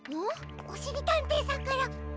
おしりたんていさんから。